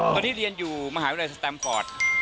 ตอนนี้เรียนอยู่มหาวิทยาลัยสแตมฟอร์ต